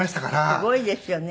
すごいですよね。